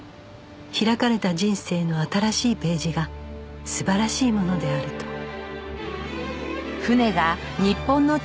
開かれた人生の新しいページが素晴らしいものであると